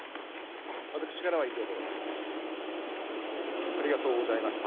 私からは以上でございます。